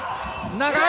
長い。